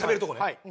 はい。